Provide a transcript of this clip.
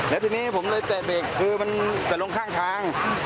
แล้วทีนี้ผมเลยแตกคือมันแต่ลงข้างทาง